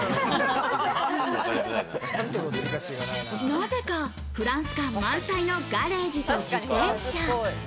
なぜかフランス感満載のガレージと自転車。